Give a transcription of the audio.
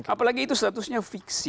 apalagi itu seharusnya fiksi